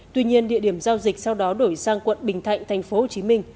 tuy nhiên địa điểm giao dịch sau đó đổi sang quận bình thạnh tp hcm